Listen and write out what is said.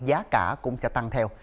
giá cả cũng sẽ tăng theo